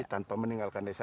tanpa meninggalkan desa